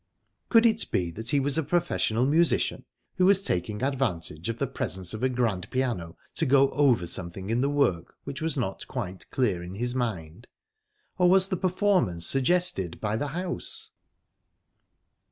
Could it be that he was a professional musician, who was taking advantage of the presence of a grand piano to go over something in the work which was not quite clear in his mind? Or was the performance suggested by the house?